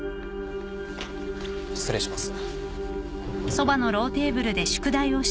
失礼します。